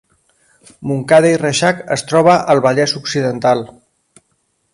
Montcada i Reixac es troba al Vallès Occidental